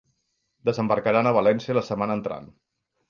Desembarcaran a València la setmana entrant.